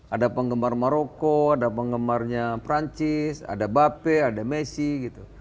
ada penggemar maroko ada penggemarnya perancis ada bape ada messi gitu